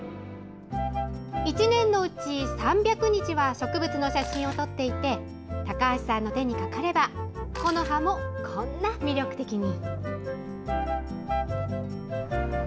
１年のうち３００日は植物の写真を撮っていて高橋さんの手にかかれば木の葉もこんな魅力的に。